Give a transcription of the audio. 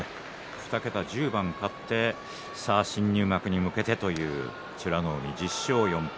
２桁１０番勝って新入幕に向けてという美ノ海１０勝４敗。